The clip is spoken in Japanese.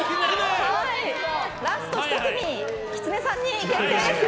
ラスト１組きつねさんに決定ですね。